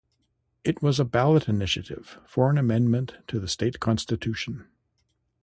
It was a ballot initiative for an amendment to the state constitution.